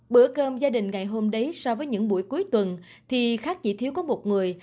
bữa cơm gia đình ngày hôm đấy so với những buổi cuối tuần thì khác chỉ thiếu có một người